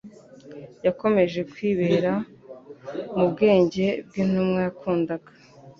yakomeje kwibera mu bwenge bw'intumwa yakundaga.